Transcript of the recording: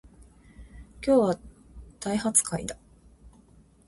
今日は大発会だ